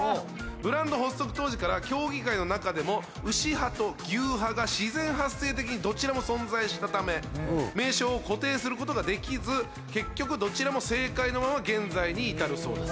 ブランド発足当時から協議会の中でも「うし派」と「ぎゅう派」が自然発生的にどちらも存在したため名称を固定することができず結局どちらも正解のまま現在に至るそうです